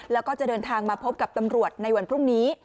แล้วก็จะเดินทางมาพบกับตำรวจในวันพรุ่งนี้